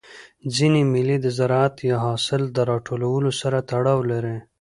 ځيني مېلې د زراعت یا حاصل د راټولولو سره تړاو لري.